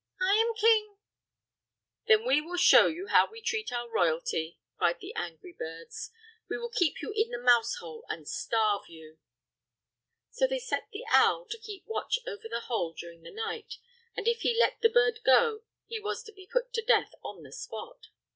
I am king!" "Then we will show you how we treat our royalty!" cried the angry birds. "We will keep you in the mouse hole and starve you." So they set the owl to keep watch over the hole during the night, and if he let the bird go he was to be put to death on the spot.